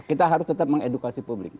kita harus tetap mengedukasi publik